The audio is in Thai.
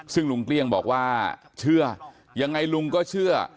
ซึ่งลุงเกลี้ยงบอกว่าเชื่อยังไงลุงก็เชื่อ